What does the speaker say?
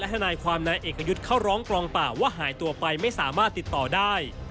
ทนายความนายเอกยุทธ์เข้าร้องกลองป่าว่าหายตัวไปไม่สามารถติดต่อได้